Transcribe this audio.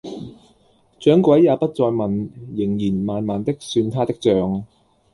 掌櫃也不再問，仍然慢慢的算他的賬